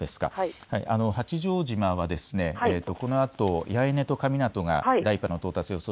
八丈島はこのあと八重根と神湊が第１波の到達予想